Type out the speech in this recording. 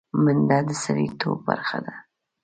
منډه د سړيتوب برخه ده